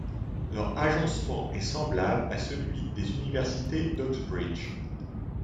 Leur agencement est semblable à celui des universités d’Oxbridge.